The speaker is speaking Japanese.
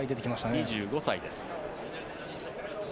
２５歳です。